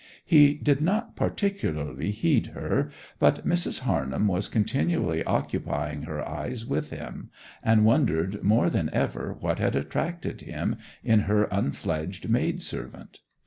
He did not particularly heed her; but Mrs. Harnham was continually occupying her eyes with him, and wondered more than ever what had attracted him in her unfledged maid servant.